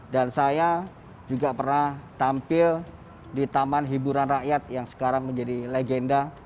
dan saya juga pernah tampil di taman hiburan rakyat yang sekarang menjadi legenda